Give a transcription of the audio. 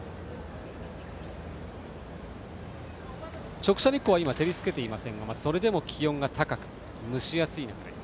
直射日光は照り付けていませんがそれでも気温が高く蒸し暑いです。